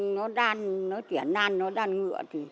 nó đan nó tiển nan nó đan ngựa